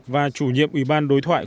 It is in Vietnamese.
và chủ nhiệm ủy ban đối thoại